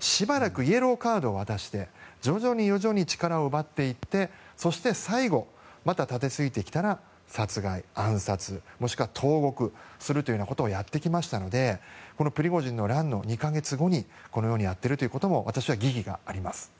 しばらくイエローカードを渡して徐々に徐々に力を奪っていってそして、最後またたてついてきたら殺害、暗殺もしくは投獄するということをやってきましたのでプリゴジンの乱の２か月後にこのようにやっていることも私は疑義があります。